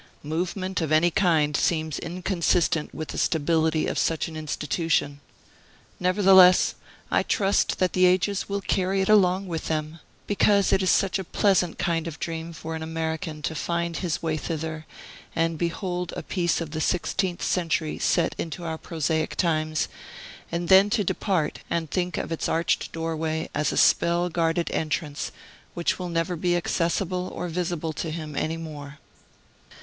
Movement of any kind seems inconsistent with the stability of such an institution. Nevertheless, I trust that the ages will carry it along with them; because it is such a pleasant kind of dream for an American to find his way thither, and behold a piece of the sixteenth century set into our prosaic times, and then to depart, and think of its arched doorway as a spell guarded entrance which will never be accessible or visible to him any more.